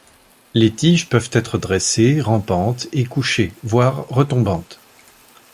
Les tiges peuvent être dressées, rampantes et couchées, voire retombantes.